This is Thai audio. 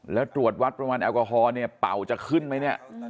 แล้วตรวจวัดปริมาณแอลกอฮอล์เนี่ยเป่าจะขึ้นไหมเนี่ย